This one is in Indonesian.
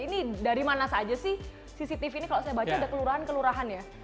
ini dari mana saja sih cctv ini kalau saya baca ada kelurahan kelurahan ya